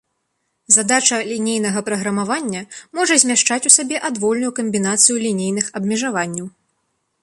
Задача лінейнага праграмавання можа змяшчаць у сабе адвольную камбінацыю лінейных абмежаванняў.